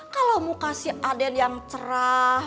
kalau muka si aden yang cerah